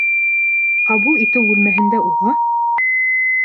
Ҡабул итеү бүлмәһендә уға: